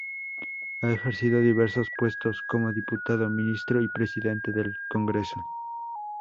Ha ejercido diversos puestos como diputado, ministro y presidente del Congreso.